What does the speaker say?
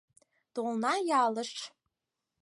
Толна ялыш.